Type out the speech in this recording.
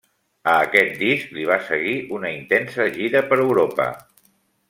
A aquest disc li va seguir una intensa gira per Europa.